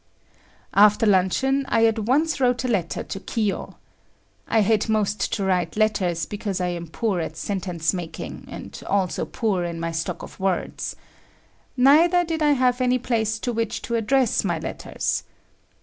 After luncheon I at once wrote a letter to Kiyo. I hate most to write letters because I am poor at sentence making and also poor in my stock of words. Neither did I have any place to which to address my letters.